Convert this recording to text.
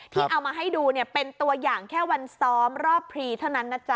ที่เอามาให้ดูเนี่ยเป็นตัวอย่างแค่วันซ้อมรอบพรีเท่านั้นนะจ๊